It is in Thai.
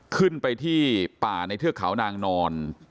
ขึ้นไปที่ป่าในเทือกเขานางนอน